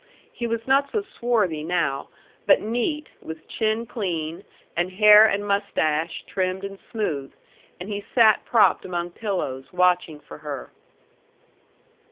He was not so swarthy now, but neat, with chin clean, and hair and mustache trimmed and smooth, and he sat propped among pillows watching for her.